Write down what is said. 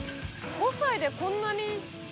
５歳でこんなに。